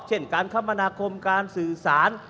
เช่นการคมนาคมการสื่อสาร